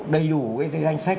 đầy đủ cái danh sách